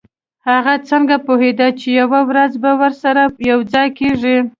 هغه څنګه پوهیده چې یوه ورځ به ورسره یوځای کیږي